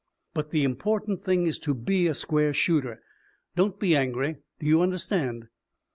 But the important thing is to be a square shooter. Don't be angry. Do you understand?"